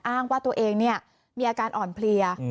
อ้างว่าตัวเองมีอาการอ่อนเพลีย